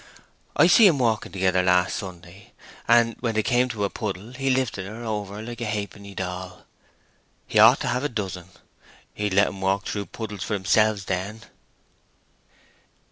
I see 'em walking together last Sunday, and when they came to a puddle he lifted her over like a halfpenny doll. He ought to have a dozen; he'd let 'em walk through puddles for themselves then."